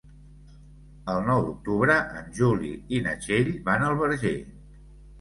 El nou d'octubre en Juli i na Txell van al Verger.